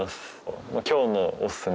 「今日のおすすめ」。